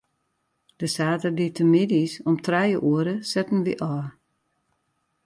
De saterdeitemiddeis om trije oere setten wy ôf.